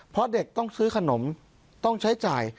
เพราะเด็กต้องซื้อขนมต้องใช้จ่าย